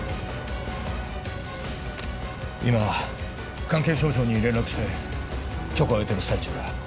今関係省庁に連絡して許可を得ている最中だ